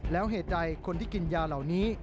แล้วเหตุใดคนที่กินยาเหล่านี้